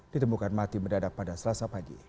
ditemukan mati mendadak pada selasa pagi